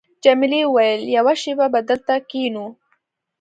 جميلې وويل:، یوه شېبه به دلته کښېنو.